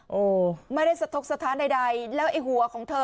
โอ้โหไม่ได้สะทกสถานใดแล้วไอ้หัวของเธอ